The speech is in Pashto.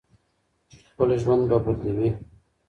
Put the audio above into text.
چې خپل ژوند به بدلوي.